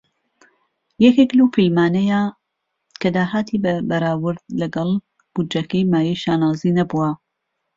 یەکێک لەو فیلمانەیە کە داهاتی بە بەراورد لەگەڵ بودجەکەی مایەی شانازی نەبووە.